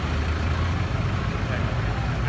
พร้อมต่ำยาว